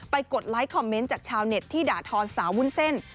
กดไลค์คอมเมนต์จากชาวเน็ตที่ด่าทอนสาววุ้นเส้น